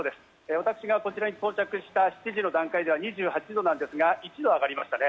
私が到着した７時の段階では２８度なんですが、一度上がりましたね。